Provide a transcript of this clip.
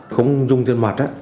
không dùng tiền mặt